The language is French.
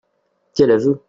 Quel aveu !